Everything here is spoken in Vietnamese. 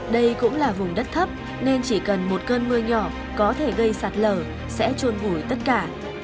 đây cũng là vùng đất thấp nên chỉ cần một cơn mưa nhỏ có thể gây sạt lở sẽ trôn ủi tất cả